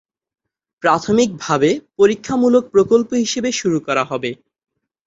প্রাথমিকভাবে পরীক্ষামূলক প্রকল্প হিসেবে শুরু করা হবে।